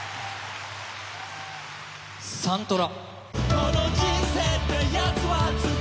サントラ。